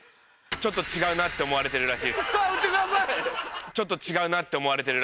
ちょっと違うなって思われてるらしいです。